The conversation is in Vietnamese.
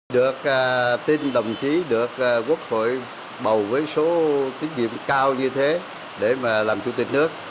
được tin đồng chí được quốc hội bầu với số tín nhiệm cao như thế để mà làm chủ tịch nước